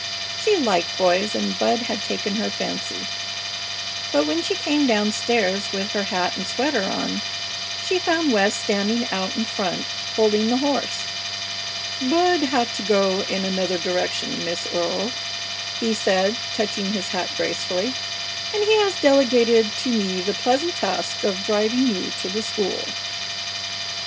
She liked boys, and Bud had taken her fancy. But when she came down stairs with her hat and sweater on she found West standing out in front, holding the horse. "Bud had to go in another direction, Miss Earle," he said, touching his hat gracefully, "and he has delegated to me the pleasant task of driving you to the school."